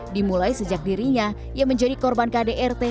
dimulai sejak dirinya yang menjadi korban kdrt